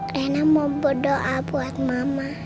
karena mau berdoa buat mama